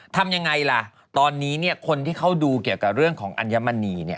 ทำยังไงล่ะตอนนี้เนี่ยคนที่เขาดูเกี่ยวกับเรื่องของอัญมณีเนี่ย